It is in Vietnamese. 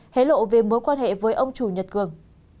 hé lộ về mối quan hệ với ông chủ nhật cường